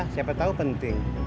siapa tau penting